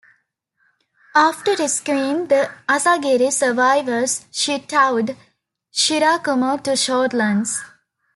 After rescuing the "Asagiri" survivors, she towed "Shirakumo" to Shortlands.